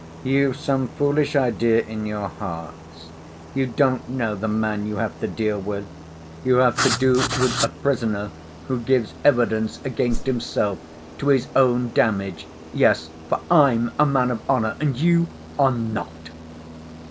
You've some foolish idea in your hearts. You don't know the man you have to deal with! You have to do with a prisoner who gives evidence against himself, to his own damage! Yes, for I'm a man of honor and you—are not."